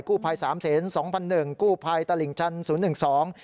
กู้ภัยสามเซนสองพันหนึ่งกู้ภัยตลิ่งชันศูนย์หนึ่งสอง